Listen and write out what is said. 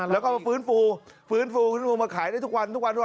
แล้วก็มาฟื้นฟูฟื้นฟูฟื้นฟูมาขายได้ทุกวันทุกวันด้วย